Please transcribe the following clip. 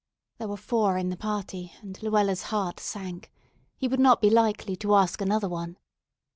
There were four in the party, and Luella's heart sank. He would not be likely to ask another one.